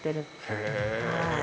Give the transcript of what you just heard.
へえ。